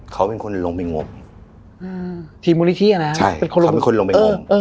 เขาเป็นคนลงไปงมอืมทีมมูลนิธิอะนะใช่เป็นคนลงไปงมเออเออ